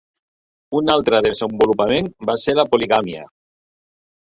Un altre desenvolupament va ser la poligàmia.